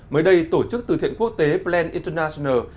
mới đây tổ chức từ thiện quốc tế plan international